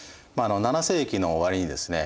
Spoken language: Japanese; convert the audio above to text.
７世紀の終わりにですね